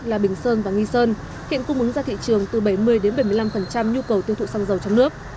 là bình sơn và nghi sơn hiện cung ứng ra thị trường từ bảy mươi bảy mươi năm nhu cầu tiêu thụ xăng dầu trong nước